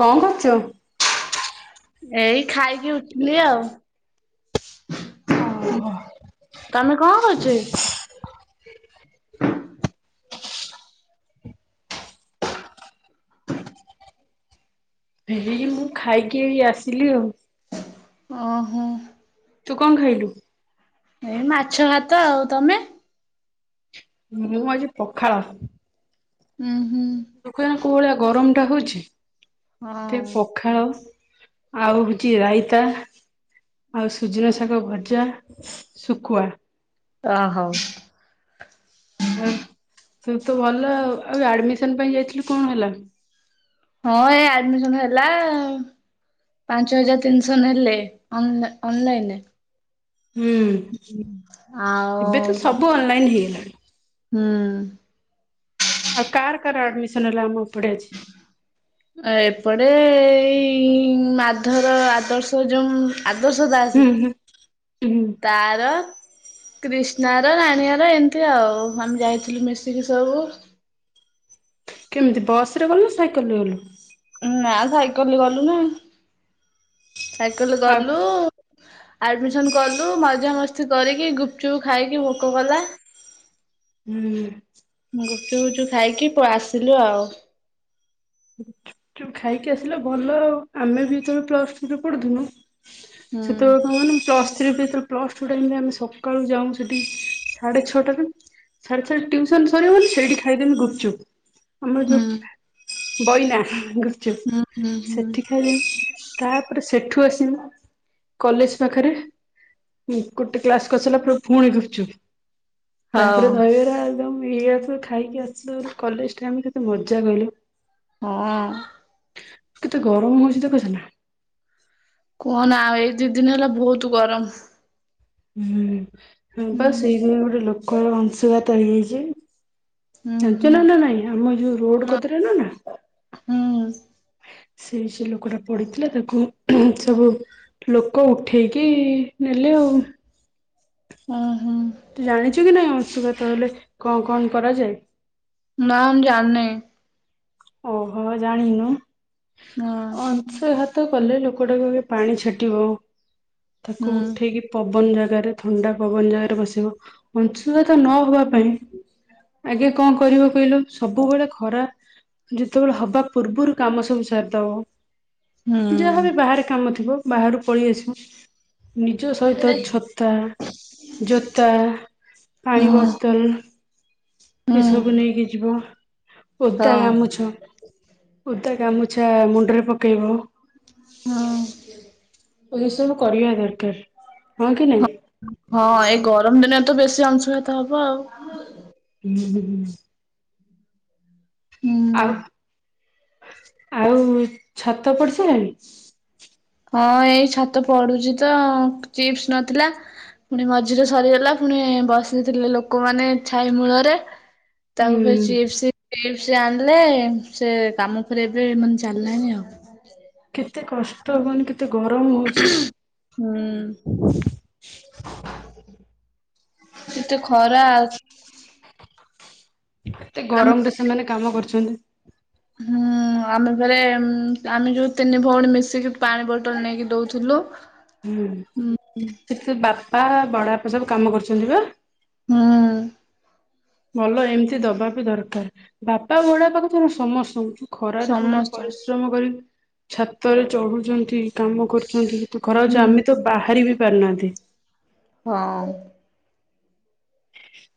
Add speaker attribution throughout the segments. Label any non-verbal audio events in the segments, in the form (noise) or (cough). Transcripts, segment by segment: Speaker 1: କଣ କରୁଛୁ?
Speaker 2: ଏଇ ଖାଇକି ଉଠିଲି ଆଉ
Speaker 1: ଓହୋ
Speaker 2: (inaudible) ତମେ କଣ କରୁଛକି?
Speaker 1: (inaudible)
Speaker 2: (inaudible)
Speaker 1: (inaudible) ହେଇ ମୁଁ ଖାଇକି ଏଇ ଆସିଲି ଆଉ
Speaker 2: ଓହୋ।
Speaker 1: ତୁ କଣ ଖାଇଲୁ?
Speaker 2: ଏଇ ମାଛ, ଭାତ। ଆଉ ତମେ?
Speaker 1: ମୁଁ ଆଜି ପଖାଳ।
Speaker 2: ହୁଁ।
Speaker 1: ଦେଖୁନା କୋଉ ଭଳିଆ ଗରମ ଟା ହଉଛି ଏତେ
Speaker 2: ହଁ
Speaker 1: ପଖାଳ। ଆଉ ହଉଛି ରାଇତା ଆଉ ସୁଜନା ଶାଗ, ଭଜା। ଶୁଖୁଆ।
Speaker 2: ଅ ହଉ
Speaker 1: ହଁ ତୁ ତ ଭଲ ଆଉ ଆଡମିସନ ପାଇଁ ଯାଇଥିଲୁ କଣ ହେଲା?
Speaker 2: ହଁ ଏ ଆଡମିସନ ହେଲା। ପାଞ୍ଚ ହଜାର ତିନିଶହ ନେଲେ ଅନଲାଇନରେ।
Speaker 1: ହୁଁ
Speaker 2: ଆଉ
Speaker 1: ଏବେ ତ ସବୁ ଅନଲାଇନ ହେଇଗଲା।
Speaker 2: ହୁଁ।
Speaker 1: ଆଉ କାର କାର ଆଡମିଶନ ହେଲା ଆମ ଏପଟେ ଆଜି?
Speaker 2: ସେପଟେ ଏଇ ମାଧର ଆଦର୍ଶ ଯୋଉ ଆଦର୍ଶ ଦାସ
Speaker 1: ହୁଁ ହୁଁ ହୁଁ
Speaker 2: ତାର। କ୍ରିଷ୍ଣାର ରାଣୀଆର ଏମିତି ଆଉ ଆମେ ଯାଇଥିଲୁ ମିଶିକି ସବୁ।
Speaker 1: କେମିତି ବସ ରେ ଗଲୁ ନା ସାଇକେଲ ରେ ଗଲୁ?
Speaker 2: ନା ସାଇକଲରେ ଗଲୁ ନା। ସାଇକେଲ
Speaker 1: ଆଉ
Speaker 2: ଗଲୁ। ଆଡମିସନ କଲୁ ମଜାମସ୍ତି କରିକି ଗୁପଚୁପ ଖାଇଲୁ ଭୋକ କଲା।
Speaker 1: ହୁଁ।
Speaker 2: ଗୁପୁଚୁପ ଫୁପୁଚୁପ ଖାଇକି ଆସିଲୁ ଆଉ।
Speaker 1: ଖାଇକି ଆସିଲେ ଭଲ ଆଉ ଆମେ ବି ଯେତେବେଳେ ପ୍ଲସ ଟୁ ରେ ପଢୁୁଥିଲୁ
Speaker 2: ହୁଁ।
Speaker 1: ସେତେବେଳେ କଣ କହନି ପଲସ ଥ୍ରୀ ପ୍ଲସ୍ ଛୁଟି ଟାଇମରେ ଆମେ ସକାଳୁ ଯାଉ ସେଠି ସାଢ଼େ ଛଅଟାରୁ ସାଢେ ଛଅ ଟାରେ ଟ୍ୟୁସନ ସରିବ ସେଇଠି ଖାଇଦମି ଗୁପଚୁପ।
Speaker 2: ହୁଁ।
Speaker 1: ବୋଇନା ଗୁପଚୁପ
Speaker 2: ହୁଁ ହୁଁ ହୁଁ।
Speaker 1: ସେଠିଖାଲି ତାପରେ ସେଠୁ ଆସିବୁ କଲେଜ ପାଖରେ ଗୋଟେ କ୍ଲାସ କରିସାରିଲା ପରେ ପୁଣି ଗୁପଚୁପ
Speaker 2: ହଉ
Speaker 1: ତାପରେ ଦହି ବରା ଆଳୁଦମ ଇଆସୁ ଖାଇକି ଆସିଲୁ କଲେଜ ଟାଇମି ରେ କେତେ ମଜା କହିଲୁ।
Speaker 2: ହଁ।
Speaker 1: କେତେ ଗରମ ହଉଛି ଦେଖୁଛୁ ନା?
Speaker 2: କୁହନା ଆଉ ଏଇ ଦି ଦିନ ହେଲା ବହୁତ ଗରମ।
Speaker 1: ହୁଁ ବା ସେଇଥି ପାଇଁ ଗୋଟେ ଲୋକର ଅଂଶଘାତ ହେଇଯାଇଛି।
Speaker 2: ହୁଁ ହୁଁ
Speaker 1: ଜାଣିଛୁ ନା ନା ନାଇଁ ଆମ ଯୋଉ ରୋଡ
Speaker 2: ନା
Speaker 1: କତିରେ ନୁହେଁ ନା
Speaker 2: ହୁଁ
Speaker 1: ସେ ସେ ଲୋକଟା ପଡିଥିଲା ତାକୁ ସବୁ ଲୋକ ଉଠେଇକି ନେଲେ ଆଉ
Speaker 2: ହୁଁ। ହୁଁ।
Speaker 1: ଶୁଘାତ ହେଲେ କଣ କଣ କରାଯାଏ?
Speaker 2: ନା ଆମ ଜାଣିନାହିଁ।
Speaker 1: ଓହୋ ଜାଣିିନୁ
Speaker 2: ହଁ
Speaker 1: ଅଂଶଘାତ। କଲେ ଲୋକଟାକୁ ପାଣି ଛାଟିବା
Speaker 2: ହୁଁ
Speaker 1: ତାକୁ ଉଠେଇକି ପବନ ଯାକ ଜାଗାରେ ଥଣ୍ଡା ପବନ ଜାଗାରେ ବସିବ ଅଂଶୁଘାତ ନହବା ପାଇଁ। ଆଜ୍ଞା କଣ କରିବ କହିଲ ସବୁବେଳେ ଖରା ଯେତେବେଳେ ହବା ପୂର୍ବରୁ କାମ ସବୁ ସାରିଦବ ଯାହାବି
Speaker 2: ହୁଁ।
Speaker 1: ବାହାରେ କାମ ଥିବ। ବାହାରୁ ପଳେଇ ଆସିବ ନିଜ ସହିତ
Speaker 2: ହଁ
Speaker 1: ଛତା, ଜୋତା, ପାଣି
Speaker 2: ହୁଁ
Speaker 1: ବୋତଲ ଏସବୁ
Speaker 2: ହଁ।
Speaker 1: ନେଇକି ଯିବ ଓଦା ଗାମୁଛା ଉଦା ଗାମୁଛା ମୁଣ୍ଡରେ ପକେଇବ।
Speaker 2: ହଁ।
Speaker 1: ଏ ସବୁ କରିବା ଦରକାର୍।
Speaker 2: ହଁ ଏଇ ଗରମ ଦିନେ ତ ବେଶୀ ଅଂଶୁ ଭତ ହବ ଆଉ।
Speaker 1: ହୁଁ ହୁଁ ହୁଁ।
Speaker 2: ହୁଁ
Speaker 1: ଆଉ ଆଉ ଛାତ ପଡିସାଇଲାଣି।
Speaker 2: ହଁ ଏଇ ଛାତ ପଡୁଚି ତ ଚିପ୍ସ୍ ନଥିଲା। ପୁଣି ମଝିରେ ସରିଗଲା ପୁଣି ବସିଥିଲେ ଲୋକମାନେ ଛାଇ ମୂଳରେ।
Speaker 1: ହୁଁ
Speaker 2: (unintelligible) ସେ ଆଁଲେ ସେ କାମ କରିବା ପାଇଁ ମନ୍ ଚାଲ୍ଲାଣିି ଆଉ।
Speaker 1: କେତେ କଷ୍ଟ ହୁଅନି କେତେ ଗରମ୍ ହୋଉଚି।
Speaker 2: ହୁଁ।
Speaker 1: (unintelligible)
Speaker 2: ଏତେ ଖରା ଆଉ
Speaker 1: ଏତେ ଗରମ ରେ ସେମାନେ କାମ କରୁଛନ୍ତି।
Speaker 2: ହୁଁ ଆମେ ଫେରେ ଆମେ ଯୋଉ ତିନି ଭଉଣୀ ମିଶିକି ପାଣି ବୋଟଲ୍ ନେଇକି ଦଉଥୁଲୁ।
Speaker 1: ପା ବଡ ବାପା ସବୁ କାମ କରୁଚନ୍ତି ପା।
Speaker 2: ହୁଁ।
Speaker 1: ଭଲ ଏମିତି ଦବା ବି ଦରକାର୍ ବାପା ବଡ ବାପା କୁ ତ ସମସ୍ତଙ୍କୁ ଖରାରେ ସେମାନେ
Speaker 2: ସମସ୍ତଙ୍କୁ
Speaker 1: ପରିଶ୍ରମ କରି ଛାତରେ ଚଢୁଛନ୍ତି। କାମ କରୁଛନ୍ତି ତୁ ଖରଉଚୁ
Speaker 2: ହୁଁ।
Speaker 1: ଆମେ ତ ବାହାରି ବି ପାରୁନାହାନ୍ତି।
Speaker 2: ହଁ।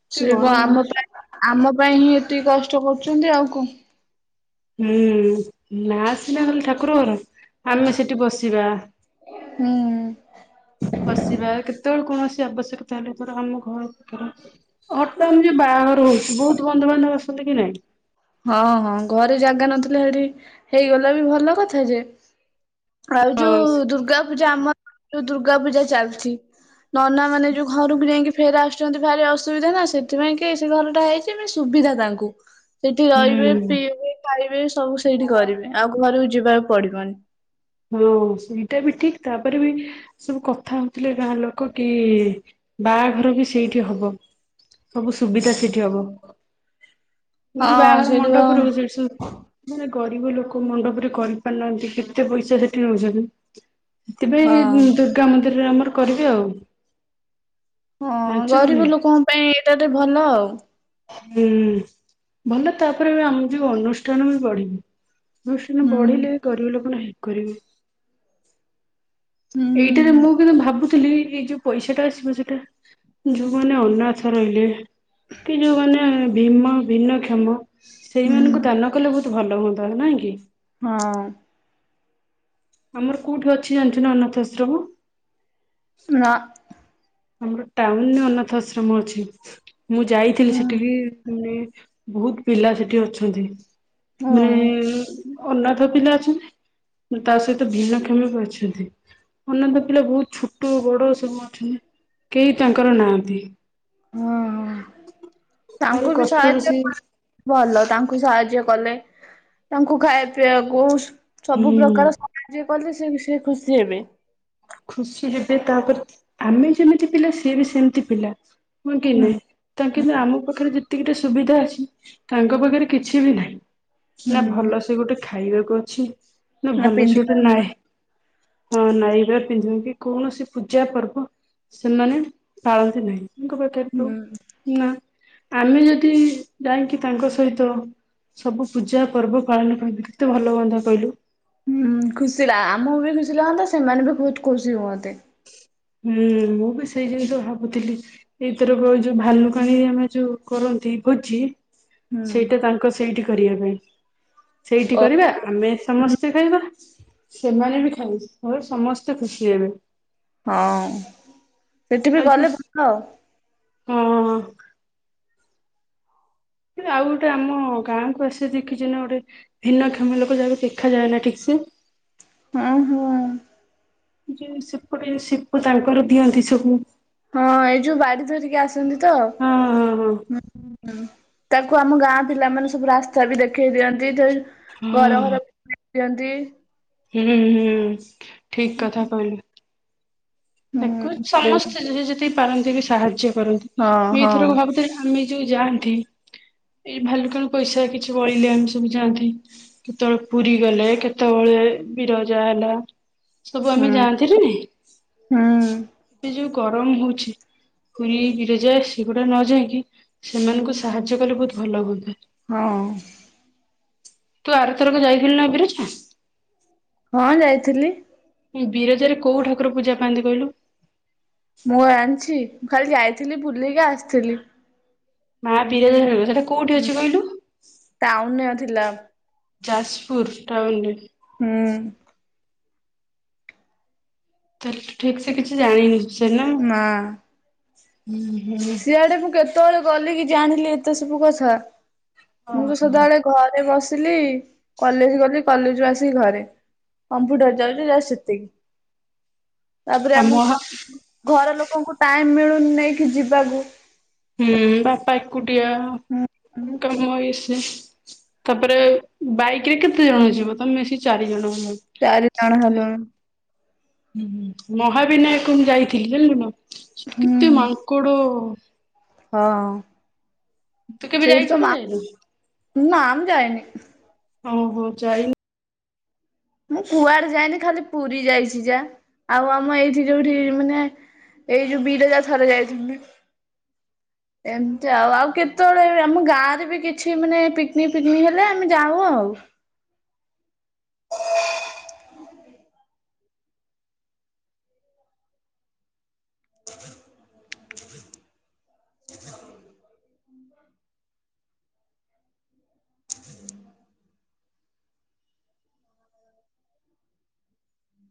Speaker 1: ଏତେ
Speaker 2: ସେ କ
Speaker 1: ଗରମ
Speaker 2: ଆମ
Speaker 1: ହଉଛି
Speaker 2: ପାଇଁ ଆମ ପାଇଁ ହିଁ ଏତିକି କଷ୍ଟ କରୁଚନ୍ତି ଆଉ କଁ
Speaker 1: ହୁଁ ନା ସିନା ଖାଲି ଠାକୁରକର। ଆମେ ସେଠି ବସିବା।
Speaker 2: ହୁଁ
Speaker 1: ବସିବା କେତେବେଳ କୈାଣସ୍ ଆବଶ୍ୟକତା ହେଲେ ଆମ ଘର ହଠାତ୍ ବାହାଘର ହୋଉଚି ବୋହୁତୁ ବନ୍ଧୁବାନ୍ଧବ ସବୁ କି ନାଇଁ।
Speaker 2: ହଁ ହଁ ଘରେ ଜାଗା ନଥିଲା ହେଇଠି ହେଇଗଲା ବି ଭଲ କଥା ଯେ। ଆଉ
Speaker 1: ହଁ
Speaker 2: ଯୋଉ ଦୁର୍ଗା ପୂଜା ଆମ ଯୋଉ ଦୁର୍ଗା ପୁଜା ଚାଲ୍ ଚି ନନା ମାନେ ଯୋଉ ଘରକୁ ଯାଇଁକି ଫେରେ ଆସୁଚନ୍ତି ଭାରି ଅସୁବିଧା ନା ସେଥିପାଇଁ କି ସେ ଘର ଟା ହେଇଚି ବି ସୁବିଧା ତାଙ୍କୁ। ସେଇଠି ରହିବେ
Speaker 1: ହୁଁ।
Speaker 2: ପିଇବେ ଖାଇବେ ସବୁ ସେଇଠି କରିବେ ଆଉ ଘହାରକୁ ଯିବାକୁ ପଡିବନି।
Speaker 1: ହଁ ସେଇଟା ବି ଠିକ୍ ତାପରେ ବି ସବୁ କଥା ହଉଥିଲେ ଗାଁ ଲୋକ କି ବାହାଘର ବି ସେଇଠି ହବ ସବୁ ସୁବିଧା ସେଇଠି ହବ। ମୁ
Speaker 2: ହଁ
Speaker 1: ବାହାଘର
Speaker 2: ସେଇଠି ବା
Speaker 1: ମଣ୍ଡପରୁ ସେଠି ସବୁ ଗରିବ ଲୋକ ମଣ୍ଡପରେ କରିପାରୁନାହାନ୍ତି କେତେ ପଇସା ସେଠି ନୋଉଛନ୍ତି। ଥିପାଇଁ
Speaker 2: ହଁ
Speaker 1: ଦୁର୍ଗା ମନ୍ଦିରରେ ଆମର କରିବୁ ଆଉ।
Speaker 2: ହଁ
Speaker 1: ଜାଣିଛ କି
Speaker 2: ଗରିବ
Speaker 1: ନାଇଁ
Speaker 2: ଲୋକଙ୍କ ପାଇଁ ଏଇଟା ତ ଭଲ ଆଉ।
Speaker 1: ହୁଁ ଭଲ ତାପରେ ଆମ ଯୋଉ ଅନୁଷ୍ଠାନ ବି ବଢ଼ି ଟୁସନ
Speaker 2: ହୁଁ
Speaker 1: ବଢିଲେ ଗରିବ ଲୋକନ ହେଲ୍ପ୍ କରିବ।
Speaker 2: ହୁଁ
Speaker 1: ହେଲେ ଏଇ ଯୋଉ ପଇସାଟା ଆସିବ ସେଟା ଯୋଉମାନେ ଅନାଥ ରହିଲେ କି ଯୋଉମାନେ ଭୀମ ଭିନ୍ନକ୍ଷମ
Speaker 2: ହୁଁ
Speaker 1: ସେଇମାନାନଙ୍କୁ ଦାନ କଲେ ବହୁତ ଭଲ ହୁଅ ନାହିଁକି
Speaker 2: ହଁ।
Speaker 1: ଆମର କୋଉଠୁ ଅଛି ଜାଣିଚୁନା ଅନାଥ ଆଶ୍ରମ।
Speaker 2: ନା।
Speaker 1: ଆମର ଟାଉନରେ ଅନାଥ ଆଶ୍ରମ ଅଛି ମୁଁ ଯାଇଥିଲି ସେଠିକି
Speaker 2: ହୁଁ
Speaker 1: ମାନେ ବହୁତ୍ ପିଲା ସେଠି ଅଛନ୍ତି ମାନେ
Speaker 2: ଓହୋ
Speaker 1: ଅନାଥ ପିଲା ଅଛନ୍ତି। ତା ସହିତ ଭିନ୍ନକ୍ଷମ ବି ଅଛନ୍ତି। ମାନେ ଅଧା ପିଲା ବହୁତ ଛୋଟ ବଡ ସବୁ ଅଛନ୍ତି। କେହି ତାଙ୍କର ନାହାନ୍ତି।
Speaker 2: ହୁଁ ହୋ।
Speaker 1: ଭାରି
Speaker 2: ତାଙ୍କୁ ବି
Speaker 1: କଷ୍ଟରେ
Speaker 2: ସାହାଯ୍ୟ
Speaker 1: ସେ
Speaker 2: (unintelligible) ଭଲ ତାଙ୍କୁ ସାହାଯ୍ୟ କଲେ। ତାଙ୍କୁ ଖାଇବା ପିଆକୁ ସବୁ
Speaker 1: ହୁଁ
Speaker 2: ପ୍ରକାର ସାହାର୍ଯ୍ୟ କଲେ ସେ ସେ ଖୁସି ହେବେ।
Speaker 1: ଖୁସି ହେବେ ତାପରେ ଆମେ ଯେମିତି ପିଲା ସିଏ ବି ସେମିତି ପିଲା। ହଁ କି
Speaker 2: ହୁଁ
Speaker 1: ନାଁ ତା କିନ୍ତୁ ଆମ ପାଖରେ ଯେତିକିଟା ସୁବିଧା ଅଛି। ତାଙ୍କ ପାଖରେ କିଛି ବି ନାହିଁ। ନା
Speaker 2: ହୁଁ
Speaker 1: ଭଲ ସେ ଗୋଟେ ଖାଇବାକୁ ଅଛି ନା ଭଲ ସେ ଗୋଟେ ନାଏ ହଁ ନାଇବା ପିନ୍ଧିବା କି କୌଣସି ପୂଜା ପର୍ବ ସେମାନେ ପାଳନ୍ତି ନାହିଁ। ତାଙ୍କ ପାଖରେ ତ
Speaker 2: ହୁଁ
Speaker 1: ନା ଆମେ ଯଦି ଯାଇକି ତାଙ୍କ ସହିତ ସବୁ ପୂଜା ପର୍ବ ପାଳନ କରନ୍ତେ କେତେ ଭଲ ହୁଅନ୍ତା କଇଲୁ?
Speaker 2: ହୁଁ ଖୁସି ଲା ଆମ (unintelligible) ମିଶିଲେ ହଅନ୍ତା ସେମାନେ ବି ବହୁତ ଖୁସି ହୁଅନ୍ତେ।
Speaker 1: ହୁଁ ମୁଁ ବି ସେଇ ଜିନିଷ ଭାବୁଥିଲି ଏଇଥରକ ଯୋଉ ଭାଲୁକାଣି ଆମେ ଯୋଉ କର କରନ୍ତି ଭୋଜି
Speaker 2: ହୁଁ
Speaker 1: ସେଇଟା ତାଙ୍କ ସେଇଟି କରିବା ପାଇଁ। ସେଇଟି
Speaker 2: ଓ
Speaker 1: କରିବା ଆମେ ସମସ୍ତେ ଖାଇବା। ସେମାନେ ବି ଖାଇ (unintelligible) ସମସ୍ତେ ଖୁସି ହେବେ।
Speaker 2: ହଁ ସେଠି ବି
Speaker 1: ଆଉ ଯେ
Speaker 2: ଗଲେ ଭଲ।
Speaker 1: ହଁ। ଆଉ ଗୋଟେ ଆମ ଗାଁ କୁ ଆସେ ଦେଖିଚୁ ନା ଗୋଟେ ଭିନ୍ନକ୍ଷମ ଲୋକ ଯାହାକୁ ଦେଖାଯାଏ ନା ଠିକ ସେ। (unintelligible)
Speaker 2: ହଁ ହଁ।
Speaker 1: ଯଉ ସେପଟେ ସିପୁ ତାଙ୍କର ଦିଅନ୍ତି ସବୁ।
Speaker 2: ହଁ ଏଇ ଯୋଉ ବାଡି ଧରିକି ଆସନ୍ତି ତ?
Speaker 1: ହଁ ହଁ
Speaker 2: ତାକୁ ଆମ ଗାଁ ପିଲାମାନେ ସବୁ ରାସ୍ତା ବି ଦେଖେଇ ଦିଅନ୍ତି ଯେ
Speaker 1: ହଁ
Speaker 2: ଘର
Speaker 1: ହଁ
Speaker 2: ଘର ପିଅନ୍ତି।
Speaker 1: ହୁଁ ହୁଁ ଠିକ୍ କଥା କହିଲୁ। ତାକୁ
Speaker 2: ହୁଁ ସେ
Speaker 1: ସମସ୍ତେ ଯେ-ଯେ-ଯେତିକି ପାରନ୍ତି ବି ସାହାଯ୍ୟ କରନ୍ତି
Speaker 2: ହଁ
Speaker 1: ମୁଁ
Speaker 2: ହଁ
Speaker 1: ଏଇଥରକୁ ଭାବୁଥିଲି ଆମେ ଯୋଉ ଯାଆନ୍ତି। ଏଇ ଭାଲୁକାଣି ପଇସା କିଛି ବଳିଲେ ଆମେ ସବୁ ଯାଆନ୍ତି। କେତବେଳେ ପୁରୀ ଗଲେ କେତବେଳେ ବିରଜା ହେଲା ସବୁ
Speaker 2: ହୁଁ
Speaker 1: ଆମେ ଯାଆନ୍ତିନା ନାହିଁ?
Speaker 2: ହୁଁ।
Speaker 1: ଯଉ ଗରମ ହଉଛି। ପୁରୀ ବିରଜା ସେଗୁଡା ନ ଯାଇକି ସେମାନଙ୍କୁ ସାହାଯ୍ୟ କଲେ ବହୁତ ଭଲ ହୁଅନ୍ତା।
Speaker 2: ହଁ।
Speaker 1: ତୁ ଆରଥରକ ଯାଇଥିଲୁ ନା ବିରଜା?
Speaker 2: ହଁ ଯାଇଥିଲି।
Speaker 1: ବିରଜାରେ କୋଉ ଠାକୁର ପୂଜା ପାଆନ୍ତି କହିଲୁ?
Speaker 2: ମୁଁ ଅ ଆଣିଚି ମୁଁ ଖାଲି ଯାଇଥିଲି ବୁଲିକି ଆସିଥିଲି।
Speaker 1: ମା ବିରାଜ ସେଟା କୋଉଠି ଅଛି କହିଲୁ?
Speaker 2: ଟାଉନ ରେ ଥିଲା।
Speaker 1: ଯାଜପୁର ଟାଉନରେ।
Speaker 2: ହୁଁ।
Speaker 1: ତା ହେଲେ ତୁ ଠିକ୍ ସେ କିଛି ଜାଣିନୁ।
Speaker 2: ନା।
Speaker 1: ହୁଁ ହୁଁ।
Speaker 2: ସିଆଡେ ମୁଁ କେତବେଳେ ଗଲି କି ଜାଣିଲି ଏତେ ସବୁ କଥା। ମୁଁ ତ ସଦାବେଳେ ଘରେ ବସି ଲି କଲେଜ ଗଲି କଲେଜ ରୁ ଆସିକି ଘରେ କମ୍ପ୍ୟୁଟର ଯାଉଚି ଯା ସେତିକି। ତାପରେ ଆମ ଘର ଲୋକଙ୍କୁ ଟାଇମ ମିଳୁନି ନେଇକି ଯିବାକୁ।
Speaker 1: ହୁଁ ବାପା ଏକୁଟିଆ
Speaker 2: ହୁଁ
Speaker 1: କାମ ହେଇସ ତାପରେ ବାଇକ ରେ କେତେ ଜଣ ଯିବ, ତମେ ମିଶିକି ଚାରି ଜଣ। ହେଲଣି।
Speaker 2: ଚାରି ଜଣ ହେଲୁ।
Speaker 1: ହୁଁ ମହାବିନାୟକ ମୁ ଯାଇଥିଲି ଜାଣିଲୁ, କେତେ
Speaker 2: ହୁଁ।
Speaker 1: ମାଙ୍କଡ
Speaker 2: ହଁ।
Speaker 1: ତୁ କେବେ
Speaker 2: ସେଇଠି ତ
Speaker 1: ଯାଇଛୁ
Speaker 2: ମା
Speaker 1: କି ଯାଇନୁ?
Speaker 2: ନା ମୁଁ ଯାଇନି।
Speaker 1: ଓହୋ ଯାଇ
Speaker 2: ମୁଁ କୁଆଡେ ଯାଇନି, ଖାଲି ପୁରୀ ଯାଇଛି ଯାହା, ଆଉ ଆମ ଏଇଠି ଯୋଉଠି ମାନେ ଏଇ ଯୋଉ ବିରଜା ଥରେ ଯାଇଥି ଏମତି ଆଉ, ଆଉ କେତେବେଳେ ଆମ ଗାଁ ରେ ବି କିଛି ମାନେ ପିକନିକ ଫିକନିକ, ହେଲେ ଆମେ ଯାଉ ଆଉ। ହଉ। (inaudible)